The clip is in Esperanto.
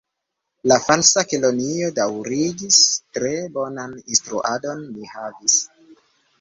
La Falsa Kelonio daŭrigis: "Tre bonan instruadon ni havis. »